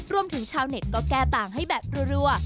รวมถึงชาวเน็ตก็แก้ต่างให้แบบรัว